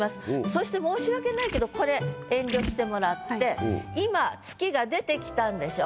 そして申し訳ないけどこれ遠慮してもらって今月が出てきたんでしょ？